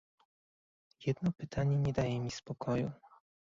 Jedno pytanie nie daje mi spokoju